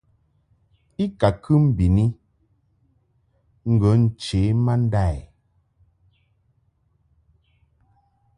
I ka kɨ mbɨni ŋgə nche ma nda i.